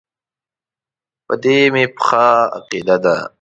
په دې مې پخه عقیده وه.